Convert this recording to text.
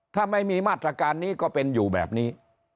ถ้าไม่มีมาตรการนี้ก็เป็นอยู่แบบนี้